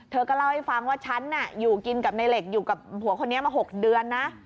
เธอก็เล่าให้ฟังว่าฉันอยู่กินกับในเหล็กอยู่กับผัวคนนี้มา๖เดือนนะ